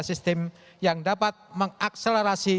sistem yang dapat mengakselerasi